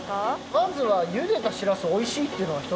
まずはゆでたしらすはおいしいっていうのはひとつですね。